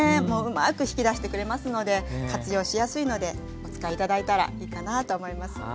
もううまく引き出してくれますので活用しやすいのでお使い頂いたらいいかなと思います。